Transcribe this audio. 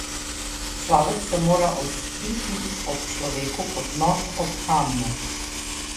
Človek se mora ostriti ob človeku kot nož ob kamnu.